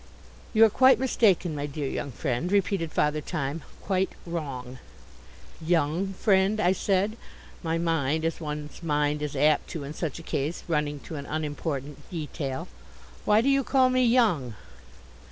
"You are quite mistaken, my dear young friend," repeated Father Time, "quite wrong." "Young friend?" I said, my mind, as one's mind is apt to in such a case, running to an unimportant detail. "Why do you call me young?"